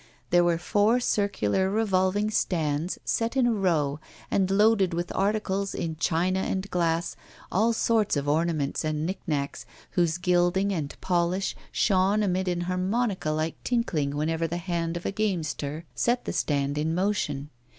There were four circular revolving stands set in a row and loaded with articles in china and glass, all sorts of ornaments and nick nacks, whose gilding and polish shone amid an harmonica like tinkling whenever the hand of a gamester set the stand in motion.